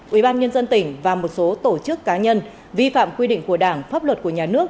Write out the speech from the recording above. ủy ban nhân dân tỉnh và một số tổ chức cá nhân vi phạm quy định của đảng pháp luật của nhà nước